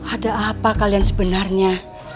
ada apa kalian sebenarnya